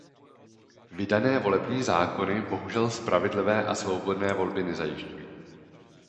Vydané volební zákony bohužel spravedlivé a svobodné volby nezajišťují.